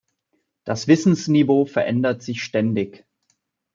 Das Wissensniveau verändert sich ständig.